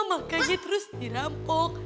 makanya terus dirampok